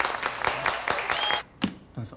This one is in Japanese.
どうぞ。